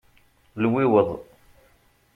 Lwiweḍ.